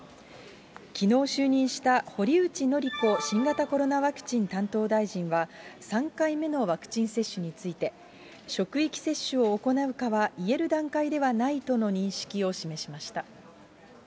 きのう就任した堀内詔子新型コロナワクチン担当大臣は、３回目のワクチン接種について、職域接種を行うかは言える段階ではないとの認識を示しました。